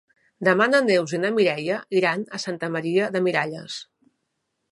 Demà na Neus i na Mireia iran a Santa Maria de Miralles.